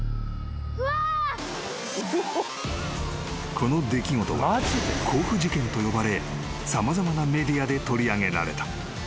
［この出来事は甲府事件と呼ばれ様々なメディアで取り上げられた］